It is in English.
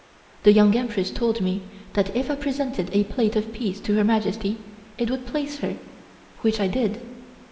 The Young Empress told me that if I presented a plate of peas to Her Majesty it would please her, which I did.